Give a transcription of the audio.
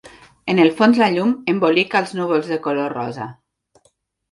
En el fons la llum embolica als núvols de color rosa.